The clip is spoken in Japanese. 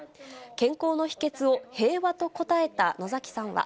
健康の秘けつを平和と答えた野崎さんは。